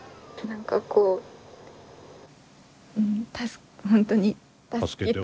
何かこう本当に助けて。